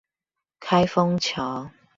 開封橋